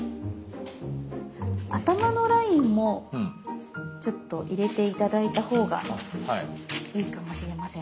頭のラインもちょっと入れて頂いたほうがいいかもしれません。